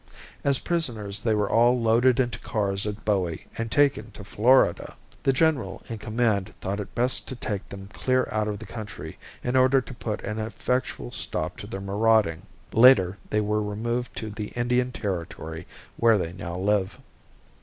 As prisoners they were all loaded into cars at Bowie and taken to Florida. The general in command thought it best to take them clear out of the country in order to put an effectual stop to their marauding. Later they were removed to the Indian Territory where they now live.